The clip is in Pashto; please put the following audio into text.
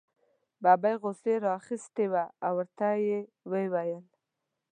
ببۍ غوسې را اخیستې وه او ورته یې وویل.